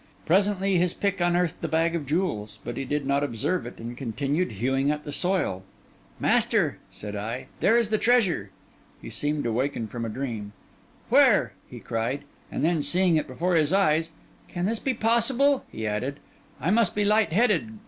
Presently his pick unearthed the bag of jewels; but he did not observe it, and continued hewing at the soil. 'Master,' said I, 'there is the treasure.' He seemed to waken from a dream. 'Where?' he cried; and then, seeing it before his eyes, 'Can this be possible?' he added. 'I must be light headed.